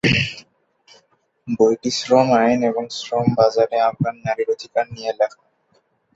বইটি শ্রম আইন এবং শ্রম বাজারে আফগান নারীর অধিকার নিয়ে লেখা।